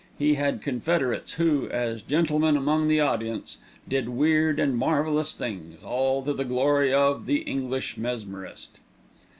He had confederates who, as "gentlemen among the audience," did weird and marvellous things, all to the glory of "the English Mesmerist."